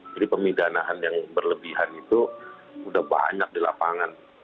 jadi pemindahan yang berlebihan itu sudah banyak di lapangan